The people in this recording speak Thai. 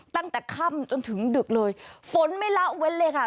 ตั้งแต่ค่ำจนถึงดึกเลยฝนไม่ละเว้นเลยค่ะ